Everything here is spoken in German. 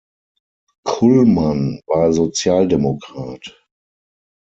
Kullmann war Sozialdemokrat.